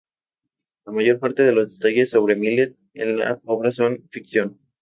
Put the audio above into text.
La mayor parte de los detalles sobre Millet en la obra son ficción.